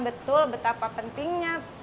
betul betapa pentingnya